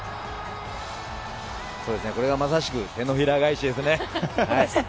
そうですね、これがまさしく手のひら返しですね。